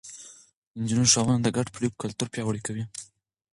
د نجونو ښوونه د ګډو پرېکړو کلتور پياوړی کوي.